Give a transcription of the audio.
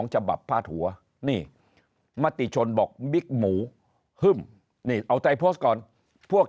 ฉบับพาดหัวนี่มติชนบอกบิ๊กหมูฮึ่มนี่เอาใจโพสต์ก่อนพวก